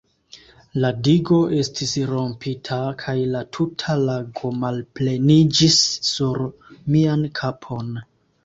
La digo estis rompita, kaj la tuta lago malpleniĝis sur mian kapon.